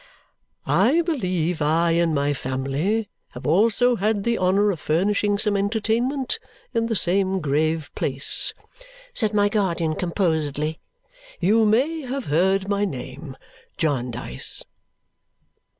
"I believe I and my family have also had the honour of furnishing some entertainment in the same grave place," said my guardian composedly. "You may have heard my name Jarndyce."